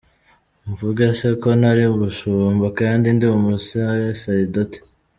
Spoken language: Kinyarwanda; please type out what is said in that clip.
Mvuge se ko ntari umushumba kandi ndi umusaseredoti ?